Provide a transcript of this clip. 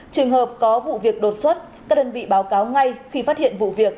trường hợp có vụ việc đột xuất các đơn vị báo cáo ngay khi phát hiện vụ việc